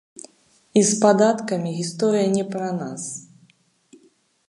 І з падаткамі гісторыя не пра нас.